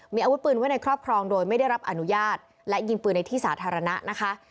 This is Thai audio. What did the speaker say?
มีอาวุธปืนไว้ในครอบครองโดยไม่ได้รับอนุญาตและยิงปืนในที่สาธารณะนะคะ